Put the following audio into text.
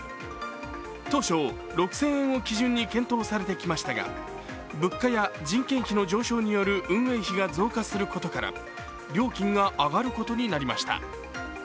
当初６０００円を基準に検討されてきましたが物価や人件費の上昇による運営費が増加することから料金が上がることになりました。